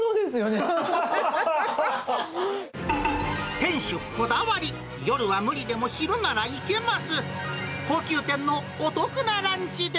店主こだわり、夜は無理でも昼なら行けます。